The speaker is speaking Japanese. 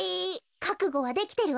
かくごはできてるわ。